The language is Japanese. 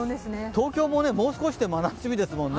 東京ももう少しで真夏日ですもんね。